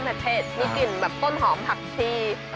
มีกลิ่นต้นหอมหักชี